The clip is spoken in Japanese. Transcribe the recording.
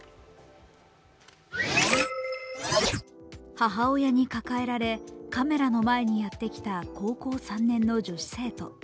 母親に抱えられカメラの前にやってきた高校３年の女子生徒。